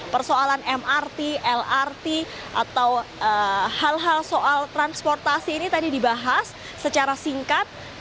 persoalan mrt lrt atau hal hal soal transportasi ini tadi dibahas secara singkat